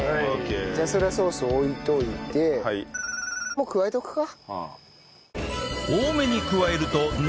じゃあそれはソース置いておいて。も加えておくか。